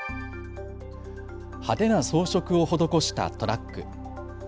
派手な装飾を施したトラック。